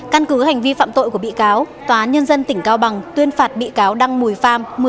căn cứ hành vi phạm tội của bị cáo tòa án nhân dân tỉnh cao bằng tuyên phạt bị cáo đăng mùi phan